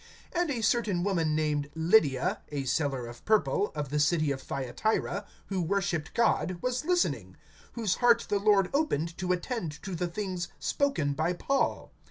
(14)And a certain woman named Lydia, a seller of purple, of the city of Thyatira, who worshiped God, was listening; whose heart the Lord opened to attend to the things spoken by Paul.